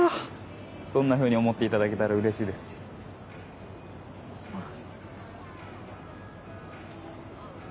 そんなふうに思っていただけたらうれしいですあっ